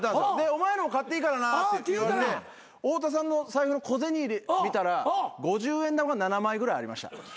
お前のも買っていいからなって言われて太田さんの財布の小銭入れ見たら５０円玉が７枚ぐらいありました。